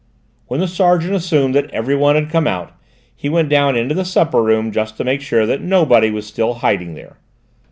When the sergeant assumed that every one had come out, he went down into the supper room, just to make sure that nobody was still hiding there.